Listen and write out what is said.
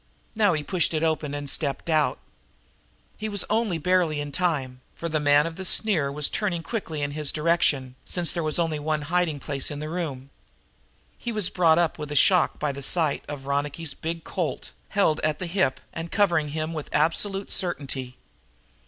Now he pushed it open and stepped out. He was only barely in time, for the man of the sneer was turning quickly in his direction, since there was only one hiding place in the room. He was brought up with a shock by the sight of Ronicky's big Colt, held at the hip and covering him with absolute certainty.